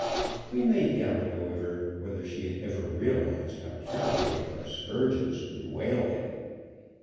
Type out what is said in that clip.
We may doubt, however, whether she had ever realized how terribly her scourges would wale him.